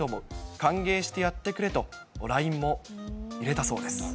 歓迎してやってくれと、ＬＩＮＥも入れたそうです。